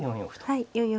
はい。